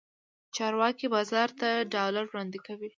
چارواکي بازار ته ډالر وړاندې کوي.